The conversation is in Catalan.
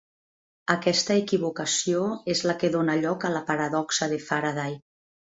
Aquesta equivocació és la que dóna lloc a la paradoxa de Faraday.